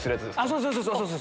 そうそうそうそう。